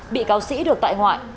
bị cáo sĩ được tại ngoại